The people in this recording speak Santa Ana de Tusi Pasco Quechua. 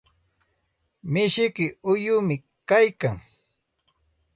Mishiyki uyumi kaykan.